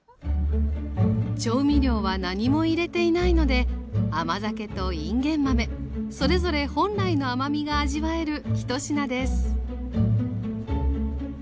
調味料は何も入れていないので甘酒といんげん豆それぞれ本来の甘みが味わえる一品です